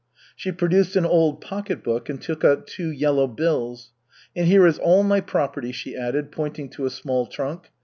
She produced an old pocketbook and took out two yellow bills. "And here is all my property," she added, pointing to a small trunk.